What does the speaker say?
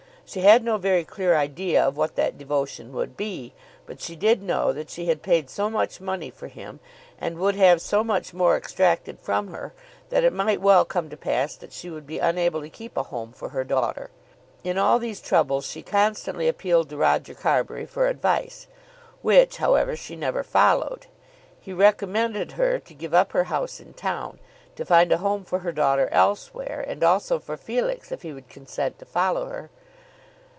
She had no very clear idea of what that devotion would be. But she did know that she had paid so much money for him, and would have so much more extracted from her, that it might well come to pass that she would be unable to keep a home for her daughter. In all these troubles she constantly appealed to Roger Carbury for advice, which, however, she never followed. He recommended her to give up her house in town, to find a home for her daughter elsewhere, and also for Felix if he would consent to follow her.